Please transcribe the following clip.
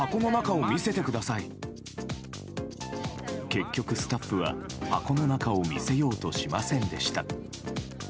結局、スタッフは箱の中を見せようとしませんでした。